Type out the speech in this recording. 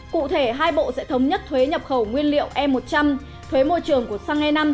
cụ thể hai bộ sẽ thống nhất thuế nhập khẩu nguyên liệu e một trăm linh thuế môi trường của xăng e năm